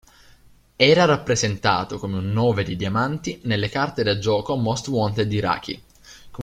Era rappresentato come un nove di diamanti nelle Carte da gioco Most-wanted iraqi.